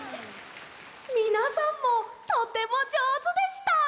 みなさんもとてもじょうずでした！